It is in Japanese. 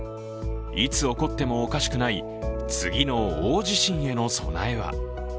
いつ起こってもおかしくない次の大地震への備えは。